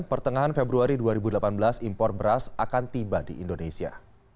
pertengahan februari dua ribu delapan belas impor beras akan tiba di indonesia